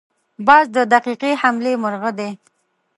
باز د دقیقې حملې مرغه دی